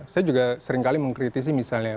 saya juga seringkali mengkritisi misalnya